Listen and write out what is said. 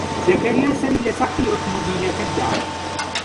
زەکەریا سەری لە سەقفی ئۆتۆمۆبیلەکە دا.